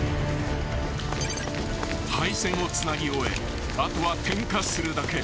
［配線をつなぎ終えあとは点火するだけ］